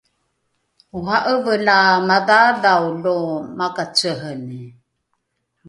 ora’eve la madhaadhao lo makaceheni